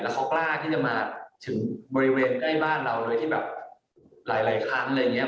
เขากล้าที่จะมาถึงบริเวณใกล้บ้านเราเลยที่แบบหลายครั้งอะไรอย่างนี้